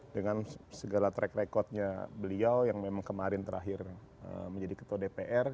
dengan segala track recordnya beliau yang memang kemarin terakhir menjadi ketua dpr